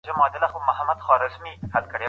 هغه وسايل چي لرو يې، بايد په دقت وکارول سي.